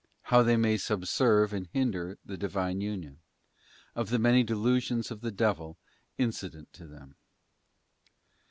How they may subserve and hinder the Divine union. Of the many delusions of the devil incident to them.